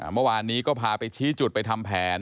เมื่อวานนี้ก็พาไปชี้จุดไปทำแผน